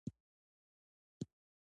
ډېر ځنګلي ونې لا پېژندل شوي نه دي.